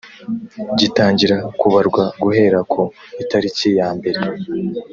gitangira kubarwa guhera ku itariki ya mbere